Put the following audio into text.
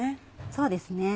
そうですね。